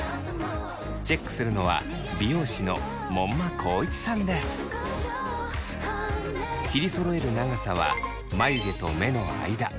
チェックするのは切りそろえる長さは眉毛と目の間。